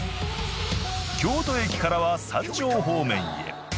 京都駅からは三条方面へ。